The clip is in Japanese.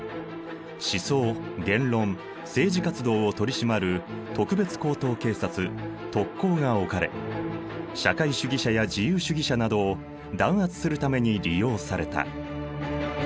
思想・言論・政治活動を取り締まる特別高等警察特高が置かれ社会主義者や自由主義者などを弾圧するために利用された。